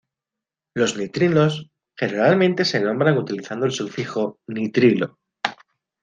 Los nitrilos, generalmente, se nombran utilizando el sufijo "-nitrilo".